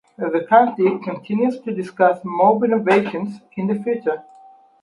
The county continues to discuss more renovations in the future.